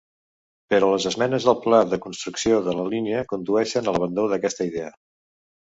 Però les esmenes al pla de construcció de la línia condueixen a l'abandó d'aquesta idea.